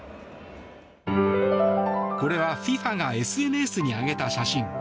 これはＦＩＦＡがＳＮＳに挙げた写真。